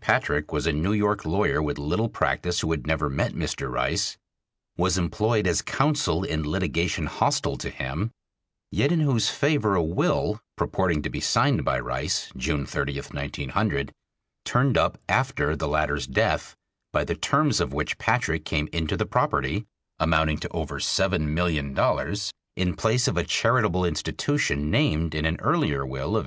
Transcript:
Patrick was a New York lawyer with little practice who had never met Mr. Rice, was employed as counsel in litigation hostile to him, yet in whose favor a will purporting to be signed by Rice, June 30, 1900, turned up after the latter's death, by the terms of which Patrick came into the property, amounting to over seven million dollars, in place of a charitable institution named in an earlier will of 1896.